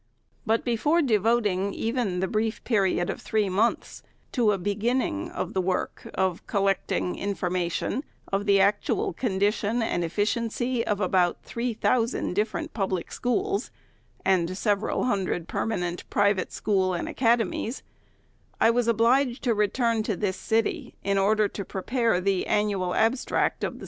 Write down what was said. But before devoting even the brief period of three months to a beginning of the work of " collecting information of the actual condition and efficiency " of about three thou sand different public schools, and several hundred perma nent private schools and academies, I was obliged to return to this city, in order to prepare the " Annual Abstract of the 884 THE SECRETARY'S FIRST ANNUAL REPORT.